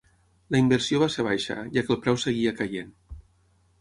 La inversió va ser baixa, ja que el preu seguia caient.